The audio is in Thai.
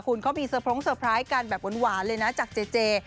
คุณก็มีสะพ้งสเตอร์ไพรส์กันแบบหวานเลยนะจากเจ๊